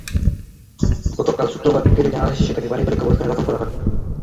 গতকাল শুক্রবার বিকেলে জানাজা শেষে তাঁকে পারিবারিক কবরস্থানে দাফন করা হয়।